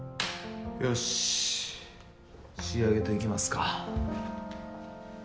よし仕上げといきますか。